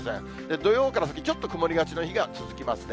土曜から先、ちょっと曇りがちな日が続きますね。